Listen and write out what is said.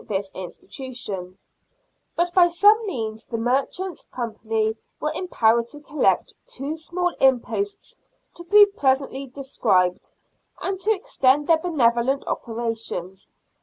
107 this institution ; but by some means the Merchants' Company were empowered to collect two small imposts to be presently described, and to extend their benevolent operations.